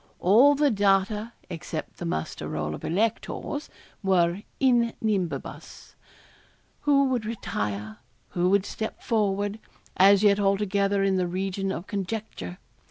All the data, except the muster roll of electors, were in nubibus who would retire who would step forward, as yet altogether in the region of conjecture.